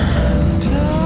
khawatirnya memang kudu begitu